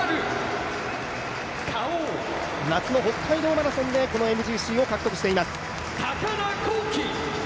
夏の北海道マラソンでこのＭＧＣを獲得しています。